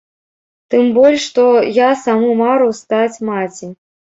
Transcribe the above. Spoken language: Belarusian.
Тым больш, што я саму мару стаць маці.